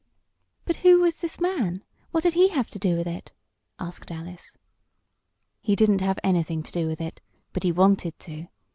"But who was this man what did he have to do with it?" asked Alice. "He didn't have anything to do with it but he wanted to.